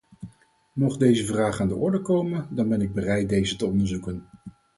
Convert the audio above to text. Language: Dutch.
Mocht deze vraag aan de orde komen, dan ben ik bereid deze te onderzoeken.